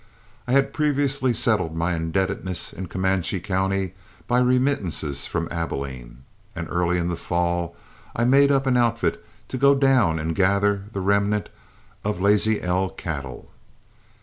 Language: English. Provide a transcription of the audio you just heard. I had previously settled my indebtedness in Comanche County by remittances from Abilene, and early in the fall I made up an outfit to go down and gather the remnant of "Lazy L" cattle.